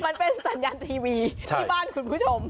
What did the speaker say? มันเป็นสัญญาณทีวีที่บ้านคุณผู้ชม